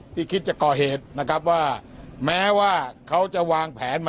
คิดจะก่อเหตุนะครับว่าแม้ว่าเขาจะวางแผน